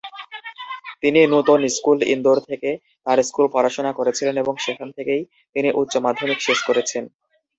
তিনি নূতন স্কুল ইন্দোর থেকে তাঁর স্কুল পড়াশোনা করেছিলেন এবং সেখান থেকেই তিনি উচ্চমাধ্যমিক শেষ করেছেন।